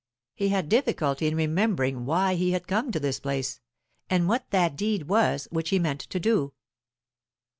He had difficulty in remembering why he had come to this place, and what that deed was which he meant to do.